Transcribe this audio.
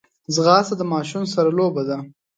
ځغاسته د ماشوم سره لوبه ده